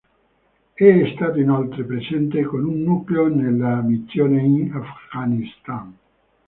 È stato inoltre presente con un nucleo nella missione in Afghanistan.